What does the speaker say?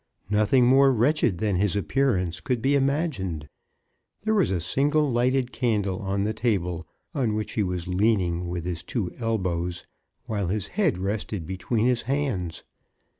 Nothing more wretched than his appearance could be imagined. There was a single lighted candle on the table, on which he was leaning with his two elbows, while his head rested between his hands.